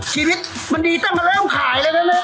ชีวิตมันดีตั้งกันแล้วขายเลยนะ